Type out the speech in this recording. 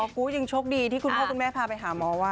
กูยังโชคดีที่คุณพ่อคุณแม่พาไปหาหมอว่า